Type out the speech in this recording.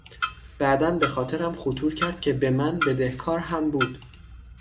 بعدا به خاطرم خطور کرد که به من بدهکار هم بود.